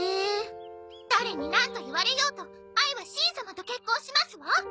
誰になんと言われようとあいはしん様と結婚しますわ！